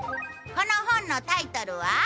この本のタイトルは？